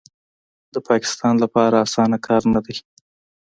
د پاکستان لپاره اسانه کار نه دی